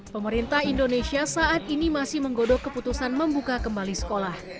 pemerintah indonesia saat ini masih menggodok keputusan membuka kembali sekolah